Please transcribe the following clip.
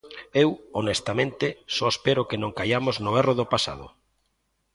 Eu, honestamente, só espero que non caiamos no erro do pasado.